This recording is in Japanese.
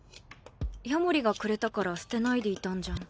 夜守がくれたから捨てないでいたんじゃん。